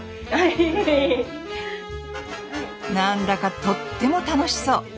なんだかとっても楽しそう！